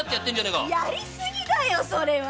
やりすぎだよそれは！